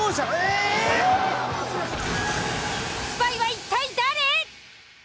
スパイは一体誰！？